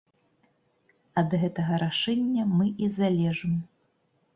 Ад гэтага рашэння мы і залежым.